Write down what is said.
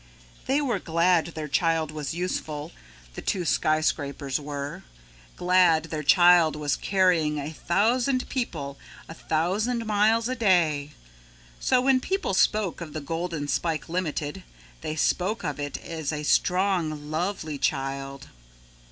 They were glad their child was useful, the two skyscrapers were, glad their child was carrying a thousand people a thousand miles a day, so when people spoke of the Golden Spike Limited, they spoke of it as a strong, lovely child.